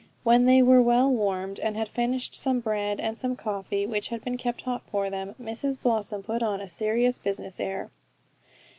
When they were well warmed, and had finished some bread, and some coffee which had been kept hot for them, Mrs Blossom put on a serious business air.